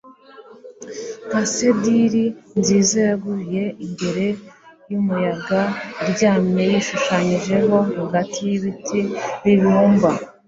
Nka sederi nziza yaguye imbere yumuyaga iryamye yishushanyijeho hagati yibiti bibumba